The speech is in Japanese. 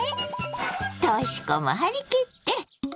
とし子も張り切って。